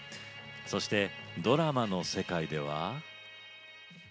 そしてドラマの世界では。